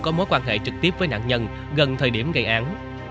có mối quan hệ trực tiếp với nạn nhân gần thời điểm gây án